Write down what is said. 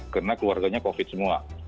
karena keluarganya covid semua